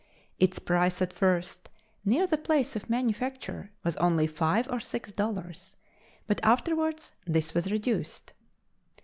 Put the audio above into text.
Its price at first, near the place of manufacture, was only five or six dollars, but afterwards this was reduced.